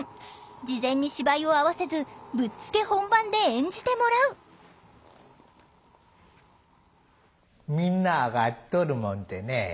事前に芝居を合わせずぶっつけ本番で演じてもらうみんなあがっとるもんでね。